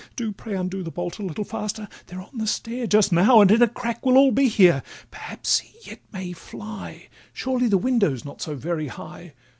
Do pray undo the bolt a little faster— They're on the stair just now, and in a crack Will all be here; perhaps he yet may fly— Surely the window 's not so very high!